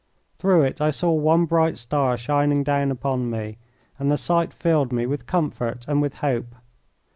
Through it I saw one bright star shining down upon me, and the sight filled me with comfort and with hope.